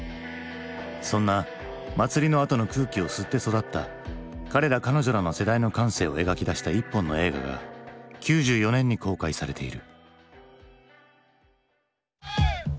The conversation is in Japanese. そんな祭りのあとの空気を吸って育った彼ら彼女らの世代の感性を描き出した一本の映画が９４年に公開されている。